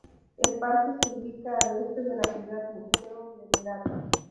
El parque se ubica al este de la "ciudad museo" de Berat.